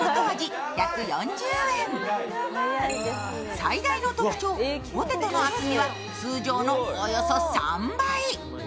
最大の特徴、ポテトの厚みは通常のおよそ３倍。